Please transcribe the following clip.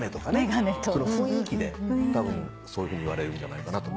雰囲気でたぶんそういうふうに言われるんじゃないかなと。